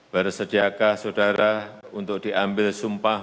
bersediakah saudara untuk diambil sumpah